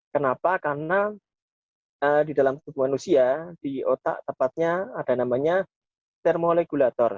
kenapa karena di dalam tubuh manusia di otak tepatnya ada namanya thermolegulator